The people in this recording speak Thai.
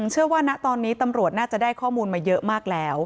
เชื่อว่าณตอนนี้ตำรวจน่าจะได้ข้อมูลมาเยอะมากแล้ว